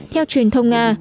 theo truyền thông nga